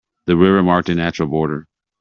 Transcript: The river marked a natural border.